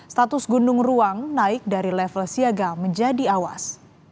status gunung ruang naik dari level siaga menjadi awas